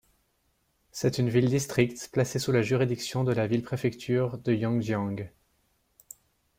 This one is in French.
C'est une ville-district placée sous la juridiction de la ville-préfecture de Yangjiang.